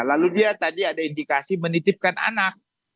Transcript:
lalu dia tadi ada indikasi menitipkan anak